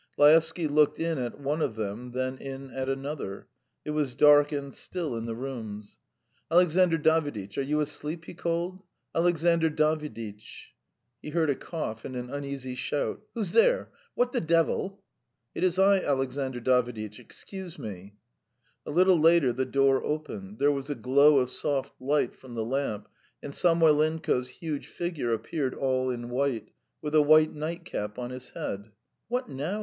Laevsky looked in at one of them, then in at another; it was dark and still in the rooms. "Alexandr Daviditch, are you asleep?" he called. "Alexandr Daviditch!" He heard a cough and an uneasy shout: "Who's there? What the devil?" "It is I, Alexandr Daviditch; excuse me." A little later the door opened; there was a glow of soft light from the lamp, and Samoylenko's huge figure appeared all in white, with a white nightcap on his head. "What now?"